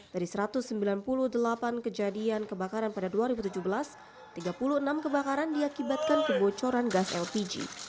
dari satu ratus sembilan puluh delapan kejadian kebakaran pada dua ribu tujuh belas tiga puluh enam kebakaran diakibatkan kebocoran gas lpg